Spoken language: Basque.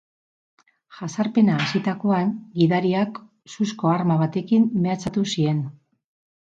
Jazarpena hasitakoan, gidariak suzko arma batekin mehatxatu zien.